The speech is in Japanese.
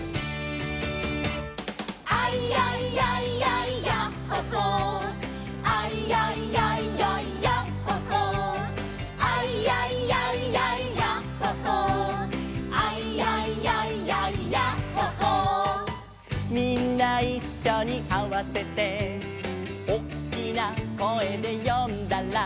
「アイヤイヤイヤイヤッホ・ホー」「アイヤイヤイヤイヤッホ・ホー」「アイヤイヤイヤイヤッホ・ホー」「アイヤイヤイヤイヤッホ・ホー」「みんないっしょにあわせて」「おっきな声で呼んだら」